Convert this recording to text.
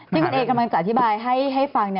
ที่คุณเอกำลังจะอธิบายให้ฟัง